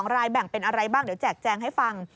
รายแบ่งเป็นอะไรบ้างเดี๋ยวแจกแจงให้ฟัง